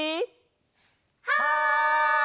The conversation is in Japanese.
はい！